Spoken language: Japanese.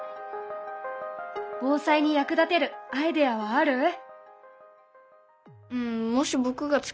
防災に役立てるアイデアはある？